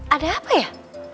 ada apa ya